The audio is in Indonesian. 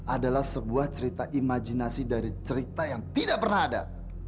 adalah sebuah cerita imajinasi dari cerita yang tidak pernah ada